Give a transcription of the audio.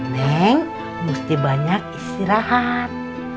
neng mesti banyak istirahat